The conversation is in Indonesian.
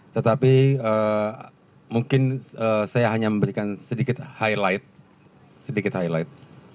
tetapi mungkin saya hanya memberikan sedikit highlight